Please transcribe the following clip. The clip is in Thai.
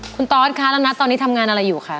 คุณตอสคะแล้วนัทตอนนี้ทำงานอะไรอยู่คะ